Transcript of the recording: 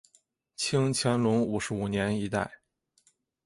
清乾隆五十五年一带。